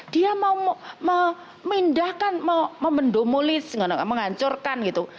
dia mau memindahkan memendomolis menghancurkan gitu